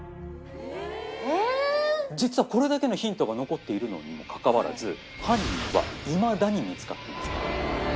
実はこれだけのヒントが残っているのにもかかわらず犯人はいまだに見つかっていません。